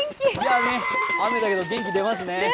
雨だけど元気出ますね。